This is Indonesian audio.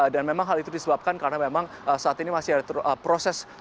dan memang hal itu disebabkan karena memang saat ini masih ada proses